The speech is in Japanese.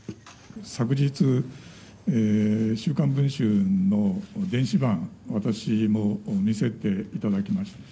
昨日、週刊文春の電子版、私も見せていただきました。